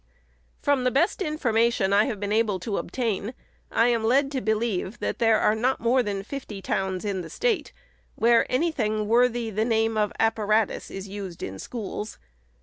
From the best information I have been able to obtain. I am led to believe that there are not more than fifty towns in the State, where any thing worthy the name of apparatus is used in schools.